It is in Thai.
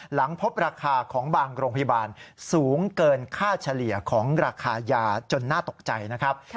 หลังพบราคาของบางโรงพยาบาลสูงเกินค่าเฉลี่ยของราคายาจนน่าตกใจนะครับ